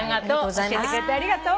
ありがとう。